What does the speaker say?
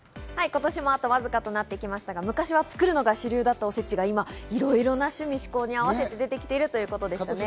今年もあとわずかとなってきましたが、昔は作るのが主流だったおせちが今、いろいろな趣味・嗜好に合わせて出てきています。